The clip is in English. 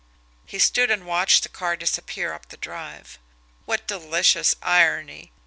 He stood and watched the car disappear up the Drive. What delicious irony!